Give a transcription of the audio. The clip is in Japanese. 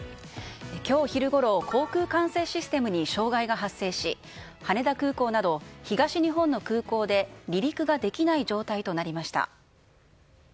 今日昼ごろ航空管制システムに障害が発生し羽田空港など東日本の空港で離陸ができない状態となりました。